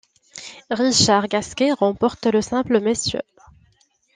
Richard Gasquet remporte le simple messieurs.